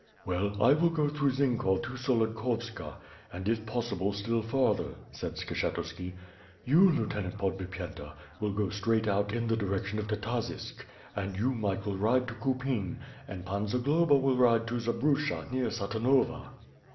"Well, I will go through Zinkov to Solodkovtsa, and if pos sible still farther," said Skshetuski. "You, Lieutenant Pod bipyenta, will go straight out in the direction of Tatazysk, and you Michael ride to Kupin, and Pan Zagloba will ride to Zbrucha near Satanova."